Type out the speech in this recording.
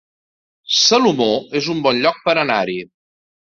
Salomó es un bon lloc per anar-hi